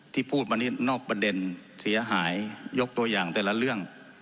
ที่พูดมานี่นอกประเด็นเสียหายยกตัวอย่างแต่ละเรื่อง